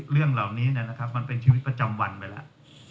เรื่องเหล่านี้มันเป็นชีวิตประจำวันไปแล้ว